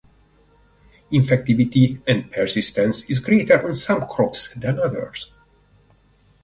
Infectivity and persistence is greater on some crops than others.